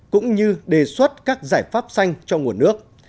cũng như đề xuất các giải pháp xanh cho nguồn nước